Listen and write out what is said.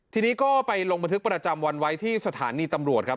ทีนี้ก็ไปลงบันทึกประจำวันไว้ที่สถานีตำรวจครับ